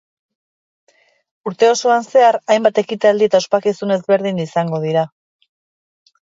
Urte osoan zehar, hainbat ekitaldi eta ospakizun ezberdin izango dira.